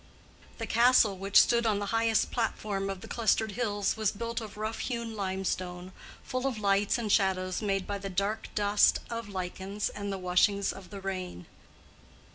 The castle which stood on the highest platform of the clustered hills, was built of rough hewn limestone, full of lights and shadows made by the dark dust of lichens and the washings of the rain.